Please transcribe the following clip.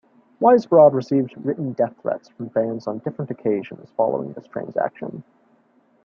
Weisbrod received written death threats from fans on different occasions following this transaction.